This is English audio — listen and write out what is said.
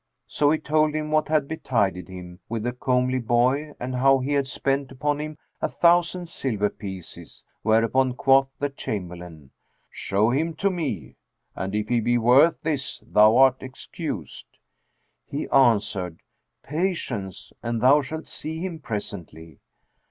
So he told him what had betided him with the comely boy and how he had spent upon him a thousand silver pieces; whereupon quoth the chamberlain, "Show him to me; and if he be worth this, thou art excused." He answered, "Patience, and thou shalt see him presently.'